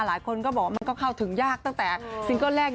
หลายคนก็บอกว่ามันก็เข้าถึงยากตั้งแต่ซิงเกิ้ลแรก